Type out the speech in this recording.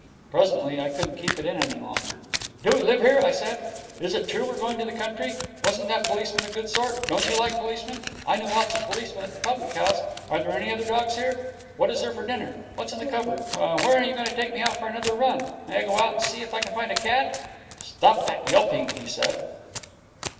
Presently I couldn't keep it in any longer. 'Do we live here?' I said. 'Is it true we're going to the country? Wasn't that policeman a good sort? Don't you like policemen? I knew lots of policemen at the public house. Are there any other dogs here? What is there for dinner? What's in that cupboard? When are you going to take me out for another run? May I go out and see if I can find a cat?' 'Stop that yelping,' he said.